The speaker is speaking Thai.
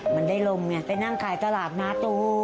มันได้ลมไปนั่งขายตลาดนัก